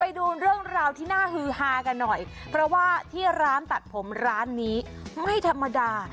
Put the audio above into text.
ไปดูเรื่องราวที่น่าฮือฮากันหน่อยเพราะว่าที่ร้านตัดผมร้านนี้ไม่ธรรมดา